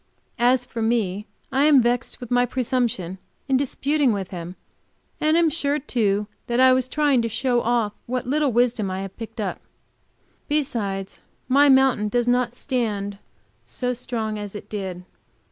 As for me, I am vexed with my presumption in disputing with him, and am sure, too, that I was trying to show off what little wisdom I have picked up. Besides, my mountain does not stand so strong as it did.